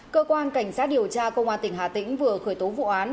cơ quan cảnh sát điều tra công an tỉnh hà tĩnh vừa khởi tố vụ án